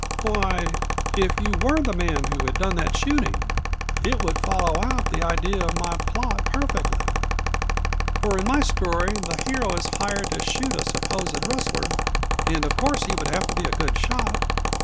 "Why, if you were the man who had done that shooting! It would follow out the idea of my plot perfectly. For in my story the hero is hired to shoot a supposed rustler, and of course he would have to be a good shot.